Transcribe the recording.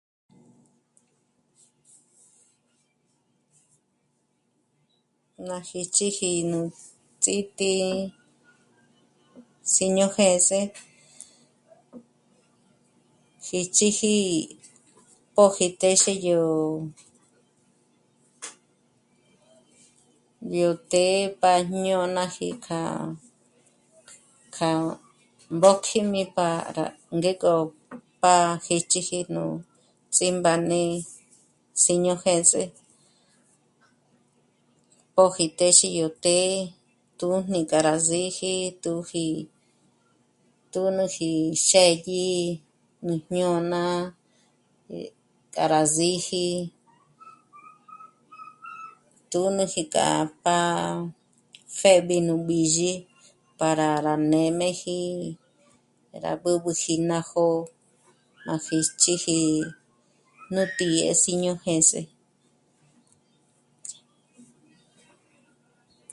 Nà jíchiji nú ts'ítǐ'i siño jêns'e jiíchiji póji téxe yó... yó të́'ë pa jñônaji k'a kja mbójkjimi para ngék'o pa jíchiji nú ts'ímbáne siño jêns'e póji téxe yó të́'ë tǔ jni k'a rá sìji tǔ ji, tǔ jnuji xë́dyi, nú jñôna, eh... k'a rá zìji, tǔmüji k'a pǎ pjéb'i nú b'ízhi para rá nê'm'eji, rá b'ǚb'üji ná jó'o má pjíschiji nú tǐ'i e siño jêns'e